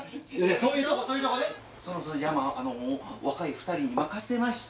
そろそろじゃあまぁあの若い２人に任せまして。